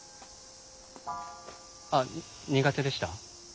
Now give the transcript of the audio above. あ苦手でした？